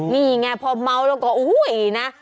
นี่ไงพอเมาแล้วก็อุ้ยนะ